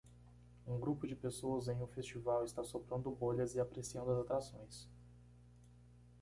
Um grupo de pessoas em um festival está soprando bolhas e apreciando as atrações.